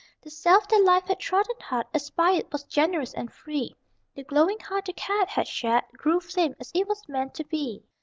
The self that life had trodden hard Aspired, was generous and free: The glowing heart that care had charred Grew flame, as it was meant to be.